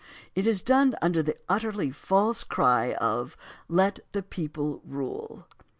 It is done under the utterly false cry of "Let the people mle."